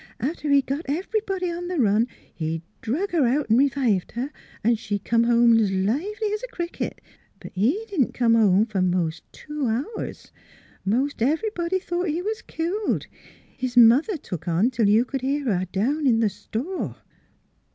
After he'd got everybody on the NEIGHBORS 305 run he drug her out an' r'vived her an' she come home 's lively 's a cricket. But he didn't come home for mos' two hours. Most everybody thought he was killed. His mother took on till you c'd hear her way down in th' store."